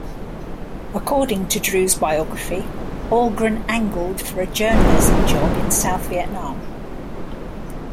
According to Drew's biography, Algren angled for a journalism job in South Vietnam.